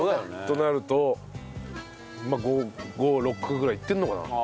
となるとまあ５６ぐらいいってるのかな。